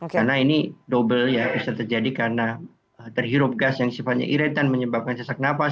karena ini double ya bisa terjadi karena terhirup gas yang sifatnya iritan menyebabkan sesak nafas